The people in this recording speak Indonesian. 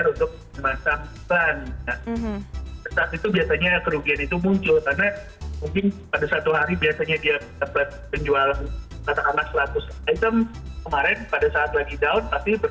itu yang bisa kita lakukan sebagai kerugian